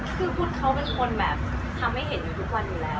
คือคุณเขาเป็นคนแบบทำให้เห็นอยู่ทุกวันอยู่แล้ว